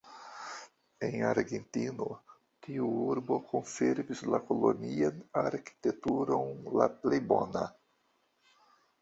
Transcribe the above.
En Argentino tiu urbo konservis la kolonian arkitekturon la plej bona.